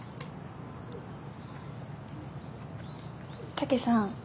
武さん。